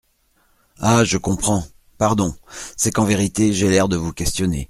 Ah ! je comprends … Pardon, c'est qu'en vérité, j'ai l'air de vous questionner.